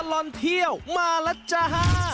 ตลอดเที่ยวมาแล้วจ้า